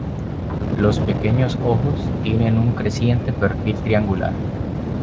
Los pequeños ojos tienen un creciente perfil triangular.